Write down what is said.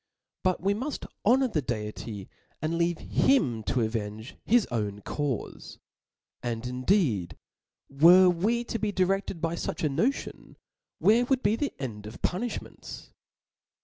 But we muft honor the Deity, apd leave him to avenge his own caufe. And indeed, were we to be direfted by fuch a notion, where would be the end of punifhments